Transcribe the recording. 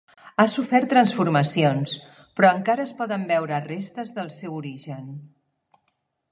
Ha sofert transformacions però encara es poden veure restes del seu origen.